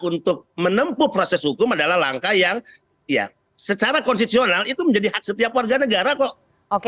untuk menempuh proses hukum adalah langkah yang ya secara konstitusional itu menjadi hak setiap warga negara kok